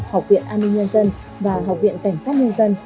học viện an ninh nhân dân và học viện cảnh sát nhân dân